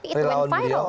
tapi itu yang viral